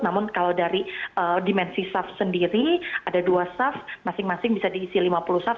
namun kalau dari dimensi saf sendiri ada dua saf masing masing bisa diisi lima puluh saf